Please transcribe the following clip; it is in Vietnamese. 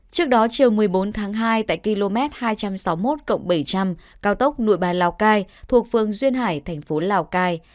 trước đó chiều một mươi bốn tháng hai tại km hai trăm sáu mươi một bảy trăm linh cao tốc nội bài lào cai thuộc phường duyên hải thành phố lào cai